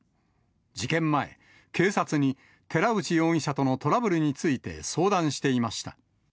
事件前、警察に寺内容疑者とのトラブルについて相談していました。